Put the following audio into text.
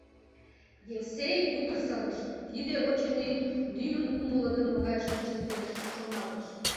Евсей утыр сырыш, тиде, очыни, лӱмын умылыдымо гай шинчылтеш, шоналтыш.